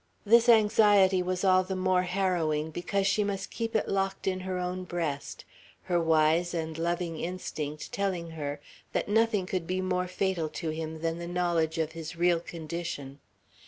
This anxiety was all the more harrowing because she must keep it locked in her own breast, her wise and loving instinct telling her that nothing could be more fatal to him than the knowledge of his real condition.